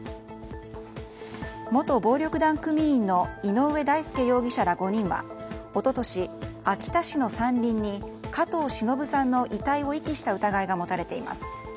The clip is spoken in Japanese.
元暴力団組員の井上大輔容疑者ら５人は一昨年、秋田市の山林に加藤しのぶさんの遺体を遺棄した疑いが持たれています。